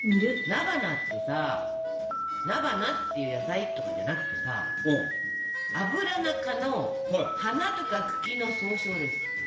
菜花ってさ菜花っていう野菜とかじゃなくてさアブラナ科の花とか茎の総称です。